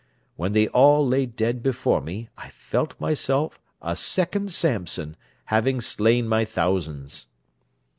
When they all lay dead before me, I felt myself a second Samson, having slain my thousands.